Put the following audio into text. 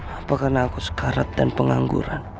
apa karena aku sekarat dan pengangguran